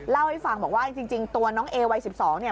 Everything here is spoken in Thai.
เล่าให้ฟังบอกว่าจริงตัวน้องเอวัย๑๒เนี่ย